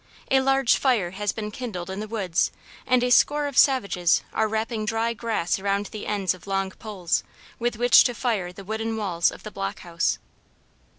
A large fire has been kindled in the woods and a score of savages are wrapping dry grass around the ends of long poles, with which to fire the wooden walls of the block house.